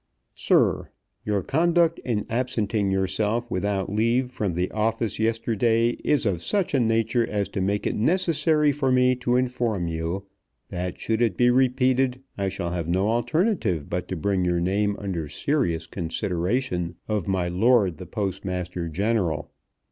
SIR, Your conduct in absenting yourself without leave from the office yesterday is of such a nature as to make it necessary for me to inform you, that should it be repeated I shall have no alternative but to bring your name under the serious consideration of my Lord the Postmaster General.